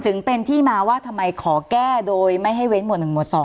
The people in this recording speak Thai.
ถึงเป็นที่มาว่าทำไมขอแก้โดยไม่ให้เว้นหวด๑หมวด๒